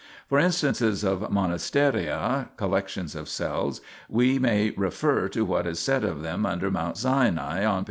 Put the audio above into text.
] For instances of monasteria (collections of cells) we may refer to what is said of them under Mount Sinai on p.